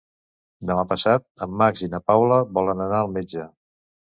Demà passat en Max i na Paula volen anar al metge.